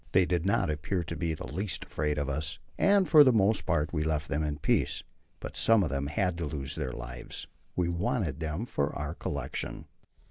They did not appear to be the least afraid of us, and for the most part we left them in peace. But some of them had to lose their lives; we wanted them for our collection.